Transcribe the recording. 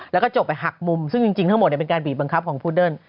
แล้วก็จบไปหักมุมซึ่งจริงทั้งหมดเป็นการบีบบังคับของพูดเดิ้ล